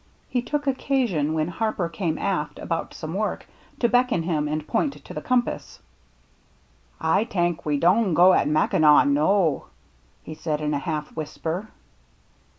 He took occasion, when Harper came aft about some work, to beckon him and point to the compass. 119 I20 THE MERRT JNNE " Aye tank we don' go at Mackinaw, no," he said in a half whisper.